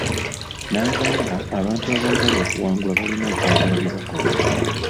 N'agamba abantu abaagala okuwangula balina okwagala bye bakola.